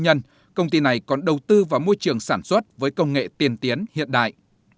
nhân công ty này còn đầu tư vào môi trường sản xuất với công nghệ tiên tiến hiện đại